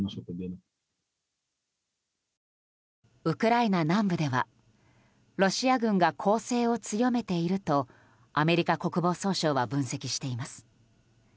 ウクライナ南部ではロシア軍が攻勢を強めているとアメリカ国防総省は分析しています。